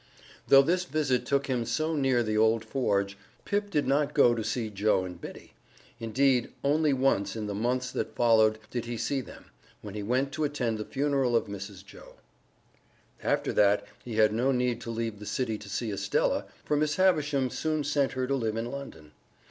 Though this visit took him so near the old forge, Pip did not go to see Joe and Biddy. Indeed, only once in the months that followed did he see them when he went to attend the funeral of Mrs. Joe. After that he had no need to leave the city to see Estella, for Miss Havisham soon sent her to live in London.